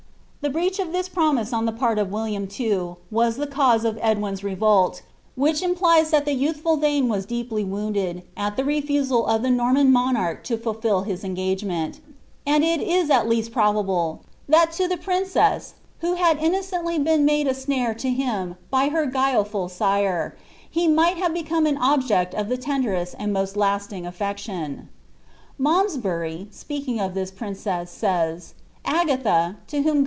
The breach of this promise on ilie pan of Wil linni, Ino, was the nufe of Edwin's revolt, which unplies that the youth fid thane was deeply wounded at ihe refusal of ihe Norman monarch li> fulfil his engagement; and il is at least probable, thai lo the princtn who had innocently been made a snare to him by her ^ileful eirc;, lie mig'lit have become an object of the lenderesl and most lasting^ nfR ctioii Malmsbnry, apeakiiig of tliis princess, says, " Agallia, lo whom Q«!